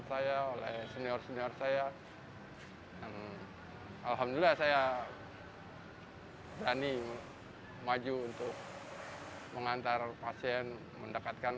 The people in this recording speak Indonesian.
saya oleh senior senior saya alhamdulillah saya hai gani maju untuk mengantar pasien mendekatkan